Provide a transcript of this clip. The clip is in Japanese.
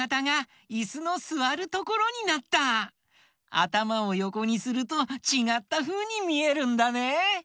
あたまをよこにするとちがったふうにみえるんだね！